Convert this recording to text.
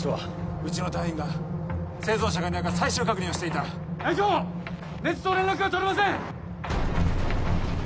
うちの隊員が生存者がいないか最終確認をしていた隊長根津と連絡が取れません！